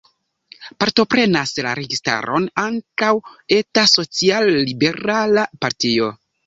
Partoprenas la registaron ankaŭ eta social-liberala partio.